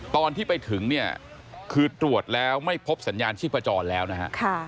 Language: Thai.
ตอนที่ไปถึงเนี่ยคือตรวจแล้วไม่พบสัญญาณชีพจรแล้วนะฮะ